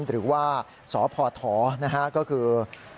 หรือว่าสพนะฮะก็คือ